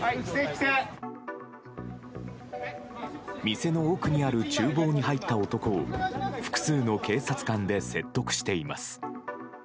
店の奥にある厨房に入った男を複数の警察官で説得しています。